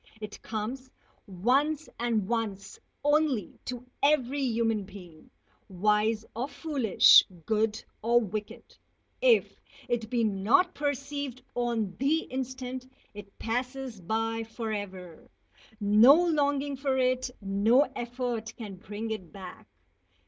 It comes once and once only to every human being, wise or foolish, good or wicked. If it be not perceived on the instant, it passes by forever. No longing for it, no effort, can bring it back.